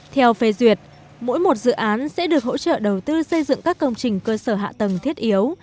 theo phê duyệt mỗi một dự án sẽ được hỗ trợ đầu tư xây dựng các công trình cơ sở hạ tầng thiết yếu